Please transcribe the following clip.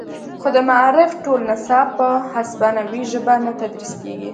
خو د معارف ټول نصاب په هسپانوي ژبه نه تدریس کیږي